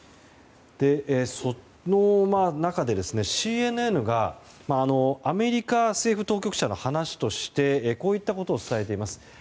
その中でＣＮＮがアメリカ政府当局者の話としてこういったことを伝えています。